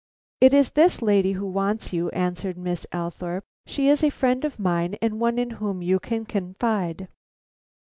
"It is this lady who wants you," answered Miss Althorpe. "She is a friend of mine and one in whom you can confide."